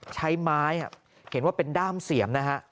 ใช้ไม้เห็นว่าเป็นด้ามเสียมนะฮะ